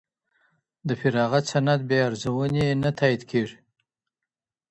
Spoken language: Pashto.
د فراغت سند بې ارزوني نه تایید کیږي.